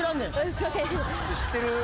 すいません。